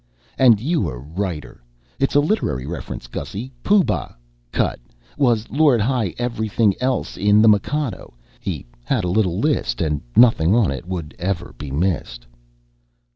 And you a writer. It's a literary reference, Gussy. Pooh Bah (cut!) was Lord High Everything Else in The Mikado. He had a little list and nothing on it would ever be missed."